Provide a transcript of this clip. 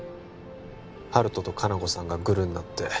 温人と香菜子さんがグルになって